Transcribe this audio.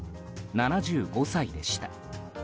７５歳でした。